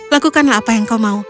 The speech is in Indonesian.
lakukanlah apa yang kau mau